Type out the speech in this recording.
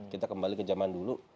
kita kembali ke zaman dulu